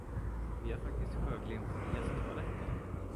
Vi har faktiskt sjöglimt från gästtoaletten.